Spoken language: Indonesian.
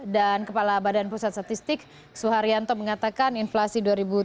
dan kepala badan pusat statistik suharyanto mengatakan inflasi dua ribu tujuh belas